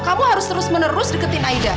kamu harus terus menerus deketin aida